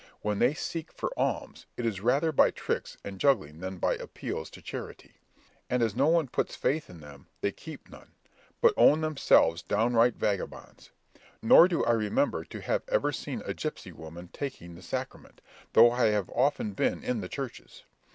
When they seek for alms, it is rather by tricks and juggling than by appeals to charity; and as no one puts faith in them, they keep none, but own themselves downright vagabonds; nor do I remember to have ever seen a gipsy woman taking the sacrament, though I have often been in the churches.